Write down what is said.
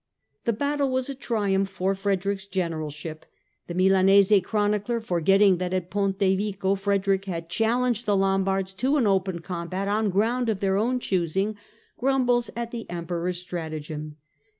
The battle was a triumph for Frederick's generalship. The Milanese chronicler, forgetting that at Pontevico Frederick had challenged the Lombards to an open combat on ground of their own choosing, grumbles at the Emperor's stratagem.